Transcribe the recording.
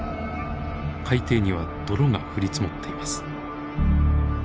海底には泥が降り積もっています。